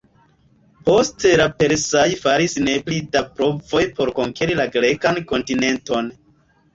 Poste la persaj faris ne pli da provoj por konkeri la grekan kontinenton.